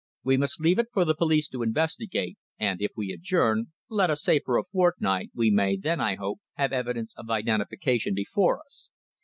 We must leave it for the police to investigate, and if we adjourn, let us say for a fortnight, we may then, I hope, have evidence of identification before us.